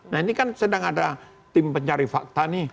nah ini kan sedang ada tim pencari fakta nih